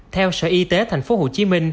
theo sở y tế tp hcm